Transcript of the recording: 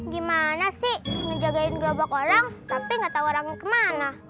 gimana sih ngejagain gerobak orang tapi gak tau orang kemana